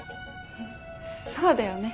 そうだよね。